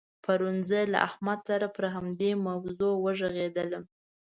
پرون زه له احمد سره په همدې موضوع وغږېدلم.